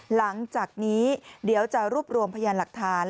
หลังจากนี้เดี๋ยวจะรวบรวมพยานหลักฐาน